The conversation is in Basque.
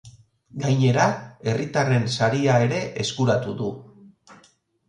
Gainera, herritarren saria ere eskuratu du.